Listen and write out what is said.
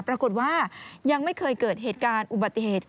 ปรากฏว่ายังไม่เคยเกิดเหตุการณ์อุบัติเหตุ